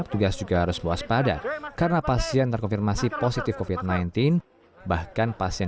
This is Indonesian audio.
tugas juga harus luas padat karena pasien terkonfirmasi positif kovid sembilan belas bahkan pasien